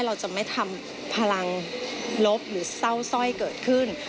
เราจะไม่ทำพลังลบหรือเศร้าสร้อยเกิดขึ้น